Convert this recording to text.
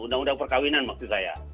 undang undang perkawinan maksud saya